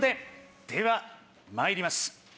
ではまいります。